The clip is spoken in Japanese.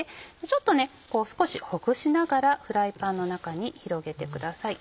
ちょっと少しほぐしながらフライパンの中に広げてください。